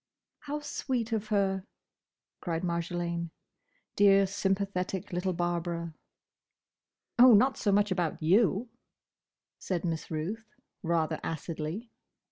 "How sweet of her!" cried Marjolaine.—Dear, sympathetic little Barbara! "Oh! Not so much about you," said Miss Ruth rather acidly.